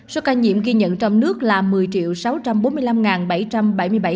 số ca nhiễm ghi nhận trong nước ghi nhận là